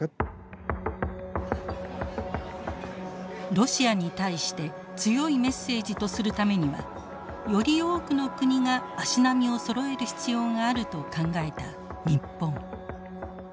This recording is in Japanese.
ロシアに対して強いメッセージとするためにはより多くの国が足並みをそろえる必要があると考えた日本。